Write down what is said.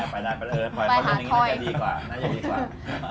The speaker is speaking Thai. ไปหาทอย